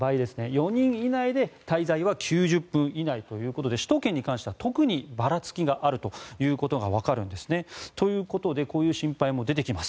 ４人以内で滞在は９０分以内ということで首都圏に関しては特にばらつきがあることがわかるんですね。ということでこういう心配も出てきます。